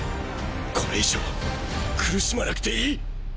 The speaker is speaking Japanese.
これ以上苦しまなくていい！